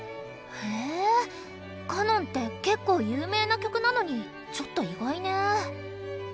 へえ「カノン」ってけっこう有名な曲なのにちょっと意外ね。